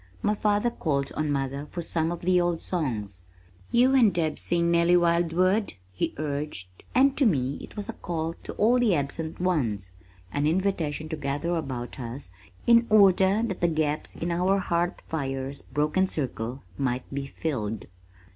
My father called on mother for some of the old songs. "You and Deb sing Nellie Wildwood," he urged, and to me it was a call to all the absent ones, an invitation to gather about us in order that the gaps in our hearth fire's broken circle might be filled.